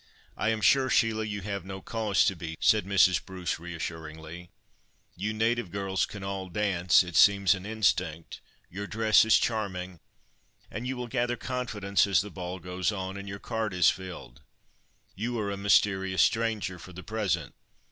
"I am sure, Sheila, you have no cause to be," said Mrs. Bruce, reassuringly; "you native girls can all dance—it seems an instinct; your dress is charming, and you will gather confidence as the ball goes on—and your card is filled. You are a mysterious stranger, for the present.